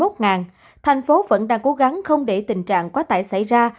tp hcm vẫn đang cố gắng không để tình trạng quá tải xảy ra